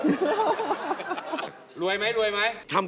เกิดวันเสาร์ครับ